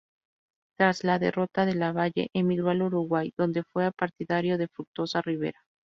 Tras la derrota de Lavalle, emigró al Uruguay, donde fue partidario de Fructuoso Rivera.